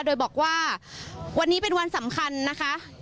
โดยบอกว่าวันนี้เป็นวันสำคัญนะคะ